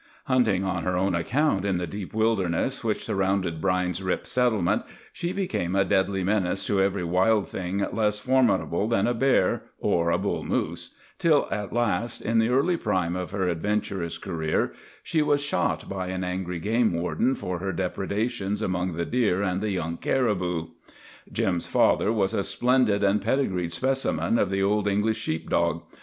Hunting on her own account in the deep wilderness which surrounded Brine's Rip Settlement, she became a deadly menace to every wild thing less formidable than a bear or a bull moose, till at last, in the early prime of her adventurous career, she was shot by an angry game warden for her depredations among the deer and the young caribou. Jim's father was a splendid and pedigreed specimen of the old English sheep dog.